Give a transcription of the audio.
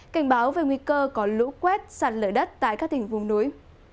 cảnh báo về nguy cơ có lũ quét sạt lở đất tại các tỉnh vùng núi